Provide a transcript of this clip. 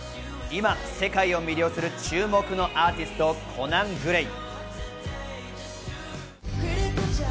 今、世界を魅了する注目のアーティスト、コナン・グレイ。